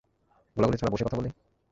গোলাগুলি ছাড়া বসে কথা বলি?